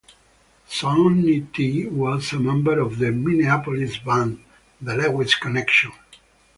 Sonny T. was a member of the Minneapolis band The Lewis Connection.